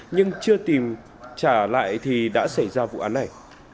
nhưng chưa tìm trả lại thì đã xảy ra vụ án này